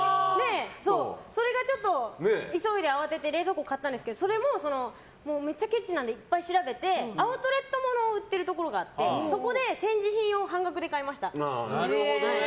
それで急いで慌てて冷蔵庫買ったんですけどそれも、めっちゃケチなのでいっぱい調べてアウトレット物を売っているところがあってそこで展示品を半額で買いました。